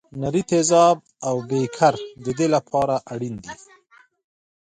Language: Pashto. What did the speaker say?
نري تیزاب او بیکر د دې لپاره اړین دي.